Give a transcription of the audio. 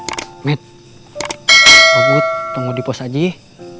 aku itu kan yang nyebek nih